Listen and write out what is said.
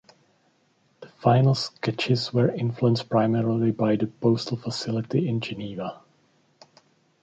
The final sketches were influenced primarily by the postal facility in Geneva.